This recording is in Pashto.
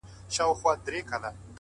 د تجربې رڼا لاره اسانه کوي’